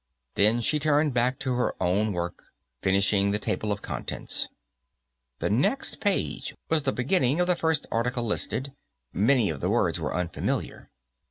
Then she turned back to her own work, finishing the table of contents. The next page was the beginning of the first article listed; many of the words were unfamiliar.